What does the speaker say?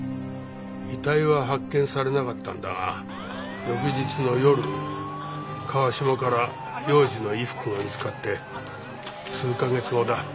遺体は発見されなかったんだが翌日の夜川下から幼児の衣服が見つかって数か月後だ。